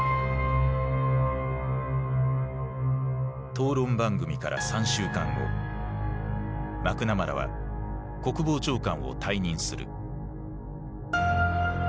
討論番組から３週間後マクナマラは国防長官を退任する。